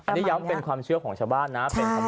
อันนี้ย้ำเป็นความเชื่อของชาวบ้านนะ